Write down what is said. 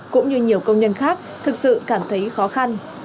cũng như nhiều công nhân khác thực sự cảm thấy khó khăn